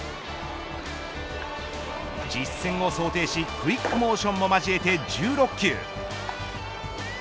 実戦を想定しクイックモーションも交えて１６球。